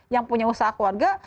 yang punya usaha keluarga